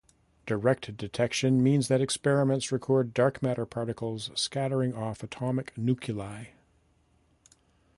Direct detection means that experiments record dark matter particles scattering off atomic nuclei.